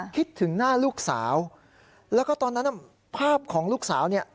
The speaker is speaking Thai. คิดถึงหน้าลูกสาวแล้วก็ตอนนั้นภาพของลูกสาวเนี่ย